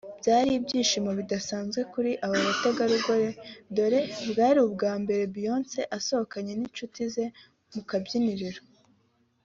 Byari ibyishimo bidasanzwe kuri aba bategarugori dore bwari ubwa mbere Beyonce asohokana n’inshuti ze mu kabyiniro